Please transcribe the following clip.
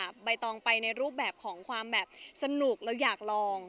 ใบตองไปในรูปแบบของความแบบสนุกเราอยากลอง